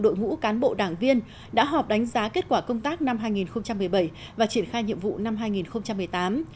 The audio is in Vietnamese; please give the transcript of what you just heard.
đội ngũ cán bộ đảng viên đã họp đánh giá kết quả công tác năm hai nghìn một mươi bảy và triển khai nhiệm vụ năm hai nghìn một mươi tám